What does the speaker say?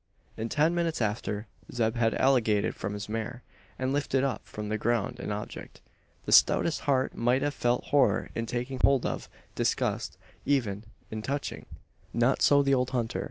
In ten minutes after, Zeb had alighted from his mare, and lifted up from the ground an object, the stoutest heart might have felt horror in taking hold of disgust, even, in touching! Not so the old hunter.